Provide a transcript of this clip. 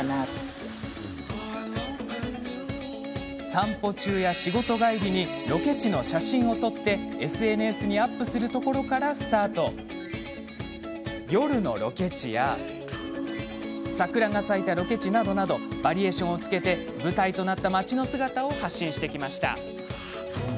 散歩や仕事帰りにロケ地の写真を撮ってＳＮＳにアップするところから始め夜のロケ地や桜が咲いたロケ地などバリエーションをつけて舞台となった町の姿を発信してきました。